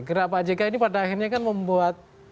gerak pak jk ini pada akhirnya kan membuat